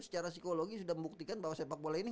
secara psikologi sudah membuktikan bahwa sepak bola ini